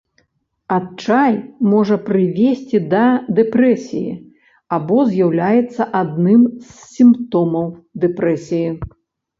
Адчай можа прывесці да дэпрэсіі або з'яўляецца адным з сімптомаў дэпрэсіі.